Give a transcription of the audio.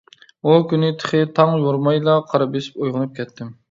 ئۇ كۈنى تېخى تاڭ يورۇمايلا قارا بېسىپ ئويغىنىپ كەتتىم.